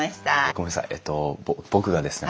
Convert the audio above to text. ごめんなさいえっと僕がですね